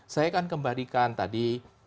saya kan kembalikan tadi